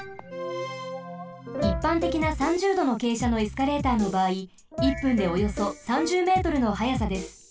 いっぱんてきな３０どのけいしゃのエスカレーターのばあい１分でおよそ３０ｍの速さです。